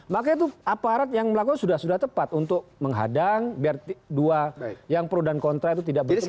makanya itu aparat yang melakukan sudah sudah tepat untuk menghadang biar dua yang pro dan kontra itu tidak berpengaruh